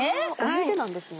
湯でなんですね。